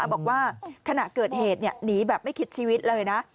บอกว่าขณะเกิดเหตุหนีแบบไม่คิดชีวิตเลยนะ